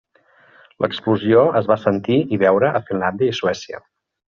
L'explosió es va sentir i veure a Finlàndia i a Suècia.